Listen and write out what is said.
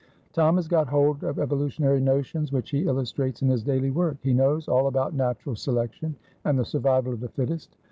Tom has got hold of evolutionary notions, which he illustrates in his daily work. He knows all about natural selection, and the survival of the fittest.